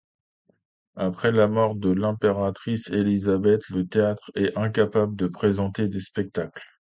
Après la mort de l'Impératrice Elisabeth, le théâtre est incapable de présenter des spectacles.